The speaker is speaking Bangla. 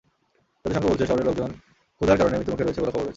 জাতিসংঘ বলছে, শহরে লোকজন ক্ষুধার কারণে মৃত্যুর মুখে রয়েছে বলে খবর রয়েছে।